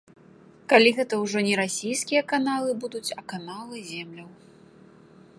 Калі гэта ўжо не расійскія каналы будуць, а каналы земляў.